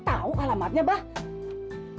tahu alamatnya bapak